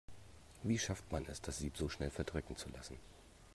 Wie schafft man es, das Sieb so schnell verdrecken zu lassen?